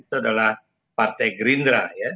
itu adalah partai gerindra ya